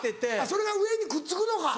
それが上にくっつくのか？